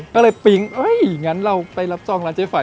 ก็เลยปิ๊งก็ให้ไปรับจองไหนเนี่ย